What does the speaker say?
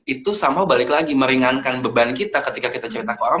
itu sama balik lagi meringankan beban kita ketika kita cerita ke orang